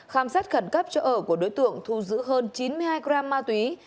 khám sát khẩn cấp cho ở của đối tượng thu giữ hơn chín mươi hai gram ma túy